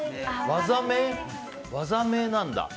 技名なんだ。